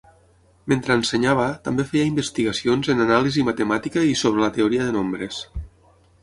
Mentre ensenyava també feia investigacions en anàlisi matemàtica i sobre la teoria de nombres.